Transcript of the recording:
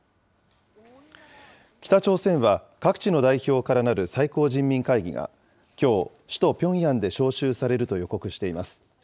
北朝鮮は各地の代表からなる最高人民会議がきょう、首都ピョンヤンで招集されると予告しています。